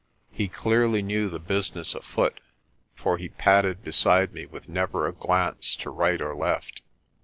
He clearly knew the business afoot, for he padded beside me with never a glance to right or left.